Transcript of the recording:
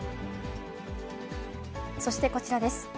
そしてこちらです。